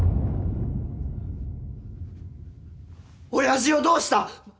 親父をどうした！？